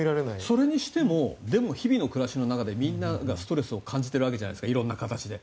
それにしても日々の暮らしの中でみんながストレスを感じているわけじゃないですかいろんな形で。